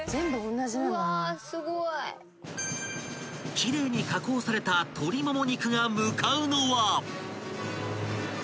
［奇麗に加工された鶏もも肉が向かうのは］